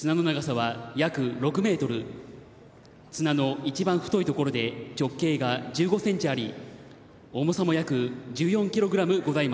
綱の一番太いところで直径が１５ｃｍあり重さも約１４ｋｇございます。